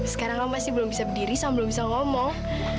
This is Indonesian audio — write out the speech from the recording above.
sekarang kamu pasti belum bisa berdiri sama belum bisa ngomong